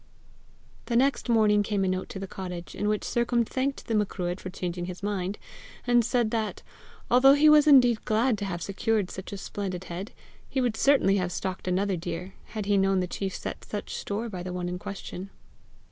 The next morning came a note to the cottage, in which Sercombe thanked the Macruadh for changing his mind, and said that, although he was indeed glad to have secured such a splendid head, he would certainly have stalked another deer, had he known the chief set such store by the one in question.